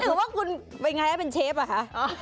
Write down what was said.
หรือว่าคุณเป็นไงเป็นเชฟเหรอคะ